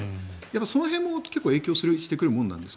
その辺も影響してくるものなんですか？